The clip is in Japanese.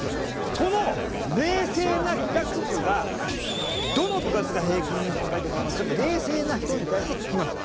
その冷静な帰宅部が「どの部活が平均年収高いと思いますか？」って冷静な人に対して聞きました。